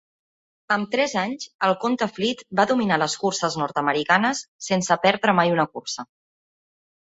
Amb tres anys, el conte Fleet va dominar les curses nord-americanes, sense perdre mai una cursa.